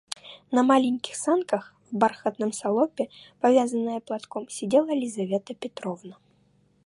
На маленьких санках, в бархатном салопе, повязанная платком, сидела Лизавета Петровна.